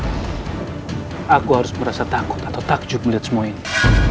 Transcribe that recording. aku harus merasa takut atau takjub melihat semua ini